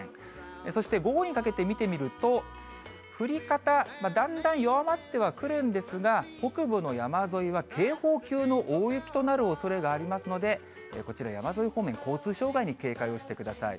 そして午後にかけて見てみると、降り方、だんだん弱まってはくるんですが、北部の山沿いは警報級の大雪となるおそれがありますので、こちら、山沿い方面、交通障害に警戒をしてください。